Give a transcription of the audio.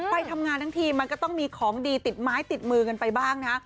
ไปทำงานทั้งทีมันก็ต้องมีของดีติดไม้ติดมือกันไปบ้างนะฮะ